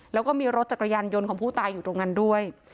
แล้วก็มีรถจักรยานยนต์ของผู้ตายอยู่ตรงนั้นด้วย